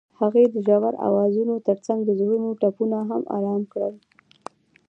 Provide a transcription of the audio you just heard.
هغې د ژور اوازونو ترڅنګ د زړونو ټپونه آرام کړل.